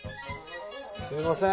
すみません。